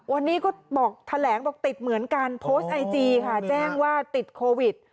วันนี้ก็บอกแถลงบอกติดเหมือนกันโพสต์ไอจีค่ะแจ้งว่าติดโควิด